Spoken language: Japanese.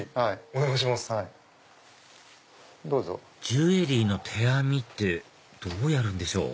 ジュエリーの手編みってどうやるんでしょう？